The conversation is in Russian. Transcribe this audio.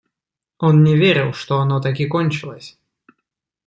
Он не верил, что оно так и кончилось!